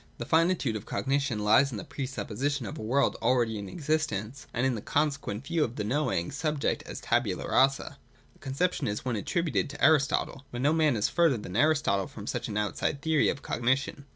The finitude of Cognition lies in the pre supposition of a world already in existence, and in the consequent view of the knowing subject as a tabula rasa. The conception is one attributed to Aristotle ; but no man is further than Aristotle from such an outside theory of Cognition.